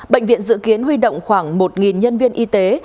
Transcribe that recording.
bệnh viện dự kiến huy động khoảng một nhân viên y tế